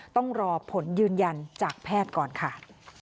ต้องรอผลยืนยันจากแพทย์ก่อนค่ะ